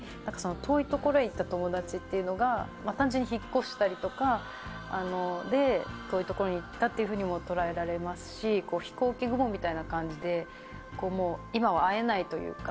遠いところへ行った友達というのが単純に引っ越したりとかで遠いところに行ったとも捉えられますし『ひこうき雲』みたいな感じで今は会えないというか。